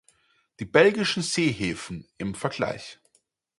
Die belgischen Seehäfen im Vergleich.